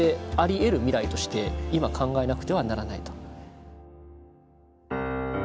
える未来として今考えなくてはならないと。